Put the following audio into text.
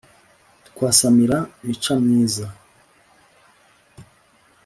twasamira micomyiza